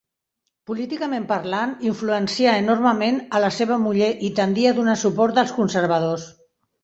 Políticament parlant, influencià enormement a la seva muller i tendí a donar suport als conservadors.